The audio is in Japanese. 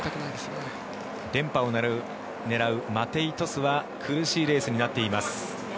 連覇を狙うマテイ・トスは苦しいレースになっています。